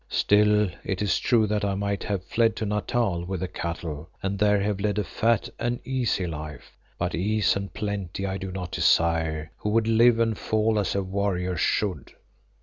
Still, it is true that I might have fled to Natal with the cattle and there have led a fat and easy life. But ease and plenty I do not desire who would live and fall as a warrior should.